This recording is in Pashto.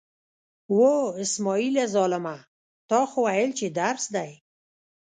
وه! اسمعیله ظالمه، تا خو ویل چې درس دی.